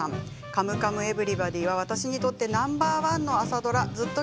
「カムカムエヴリバディ」は私にとってナンバー１の朝ドラです。